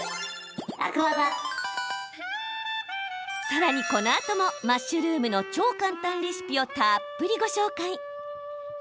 さらに、このあともマッシュルームの超簡単レシピをたっぷりご紹介。